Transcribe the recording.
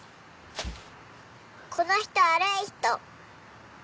この人悪い人。